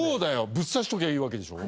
ぶっ刺しときゃいいわけでしょ？